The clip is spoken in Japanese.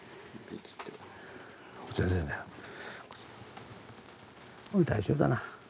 もう大丈夫だな。